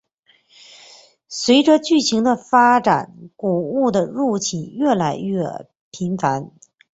随着剧情的发展古物的入侵越来越频繁。